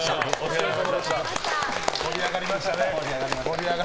盛り上がりましたね。